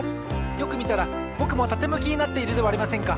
よくみたらぼくもたてむきになっているではありませんか！